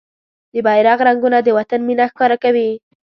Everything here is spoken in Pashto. د بېرغ رنګونه د وطن مينه ښکاره کوي.